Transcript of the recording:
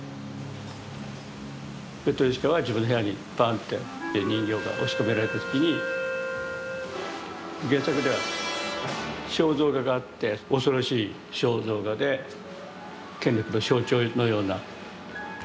ペトルーシュカは自分の部屋にバンって人形が押し込められた時に原作では肖像画があって恐ろしい肖像画で権力の象徴のような。